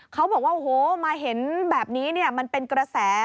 เขาบอกว่าโอ้โหมาเห็นแบบนี้มันเป็นกระแส